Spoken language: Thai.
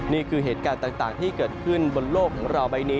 นี่คือเหตุการณ์ต่างที่เกิดขึ้นบนโลกของเราใบนี้